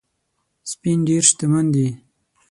سپین ډېر شتمن دی